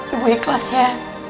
ibu ikhlas ya